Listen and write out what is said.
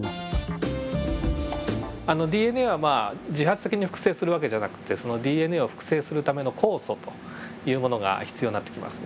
ＤＮＡはまあ自発的に複製する訳じゃなくてＤＮＡを複製するための酵素というものが必要になってきます。